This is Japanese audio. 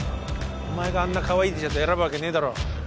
お前があんなかわいいＴシャツ選ぶわけねえだろ